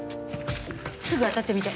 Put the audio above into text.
すぐ当たってみて。